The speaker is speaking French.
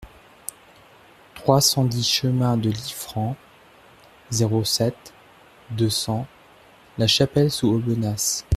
trois cent dix chemin de Liffrand, zéro sept, deux cents, Lachapelle-sous-Aubenas